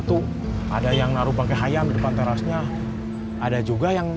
teh anget tawar juga